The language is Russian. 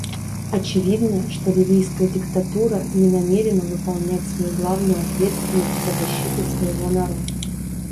Очевидно, что ливийская диктатура не намерена выполнять свою главную ответственность по защите своего народа.